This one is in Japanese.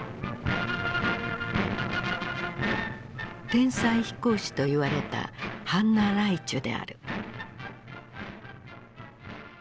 天才飛行士といわれたハンナ・ライチュである。